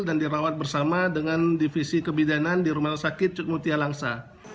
dan dirawat bersama dengan divisi kebidanan di rumah sakit cukmutia langsa